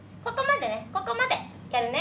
ここまでね。